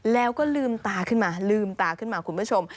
แล้วก็ลืมตาขึ้นมาลืมตาขึ้นมาคุณผู้ชม